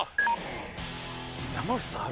山内さんあるな。